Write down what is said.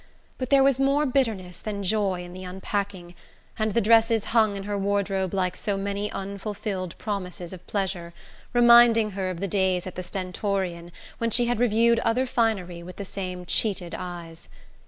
But there was more bitterness than joy in the unpacking, and the dresses hung in her wardrobe like so many unfulfilled promises of pleasure, reminding her of the days at the Stentorian when she had reviewed other finery with the same cheated eyes.